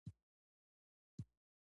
بوی هم حشرات جذبوي